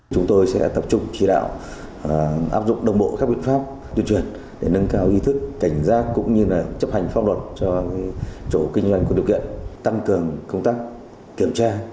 chúng tôi sẽ tập trung chỉ đạo áp dụng đồng bộ các biện pháp tuyên truyền để nâng cao ý thức cảnh giác cũng như chấp hành pháp luật cho chủ kinh doanh có điều kiện tăng cường công tác kiểm tra